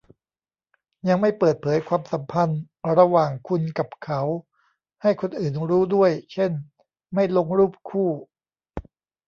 ยังไม่เปิดเผยความสัมพันธ์ระหว่างคุณกับเขาให้คนอื่นรู้ด้วย เช่น ไม่ลงรูปคู่